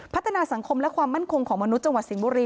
พัฒนาสังคมและความมั่นคงของมนุษย์จังหวัดสิงห์บุรี